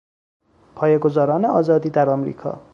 پایهگذاران آزادی در آمریکا